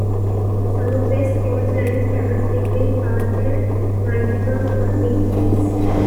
South West Coach Lines travels between Perth and Manjimup on weekdays.